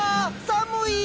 寒い。